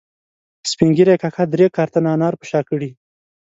سپین ږیري کاکا درې کارتنه انار په شا کړي